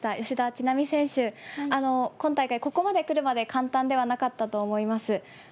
吉田知那美選手、今大会、ここまでくるまで簡単ではなかったと思います。